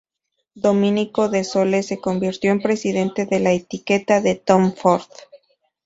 Dominico De Sole se convirtió en presidente de la etiqueta de Tom Ford.